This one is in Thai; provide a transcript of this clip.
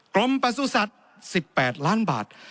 กรมประสุทธิ์๑๘ล้านบาท